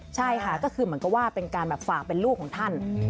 ใช่ค่ะก็คือเหมือนกับว่าเป็นการแบบฝากเป็นลูกของท่าน